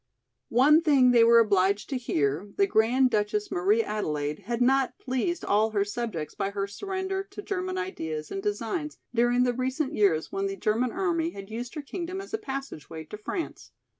One thing they were obliged to hear, the Grand Duchess Marie Adelaide had not pleased all her subjects by her surrender to German ideas and designs during the recent years when the German army had used her kingdom as a passageway to France.